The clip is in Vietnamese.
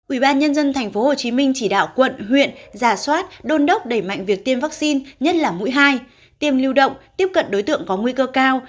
ủy ban nhân dân tp hcm chỉ đạo quận huyện giả soát đôn đốc đẩy mạnh việc tiêm vaccine nhất là mũi hai tiêm lưu động tiếp cận đối tượng có nguy cơ cao